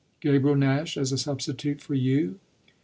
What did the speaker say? "Gabriel Nash as a substitute for you?"